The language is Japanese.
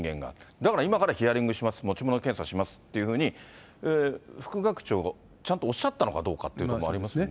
だから今からヒアリングします、持ち物検査しますっていうふうに副学長がちゃんとおっしゃったのかどうかっていうのがありますよね。